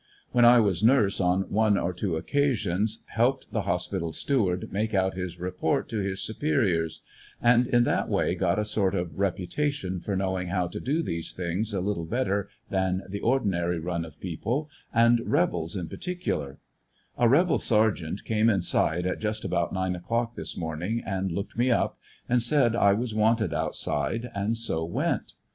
When I was nurse on one or two occasions ^helped the hospital steward make out his report to his superiors, and in that way got a sort of reputation for knowing how to do these things a little better than the ordinary run of peo ple, and rebels in particular, A rebel sergeant came inside at just about nine o'clock this morning and looked me up and said I was wanted outside, and so went.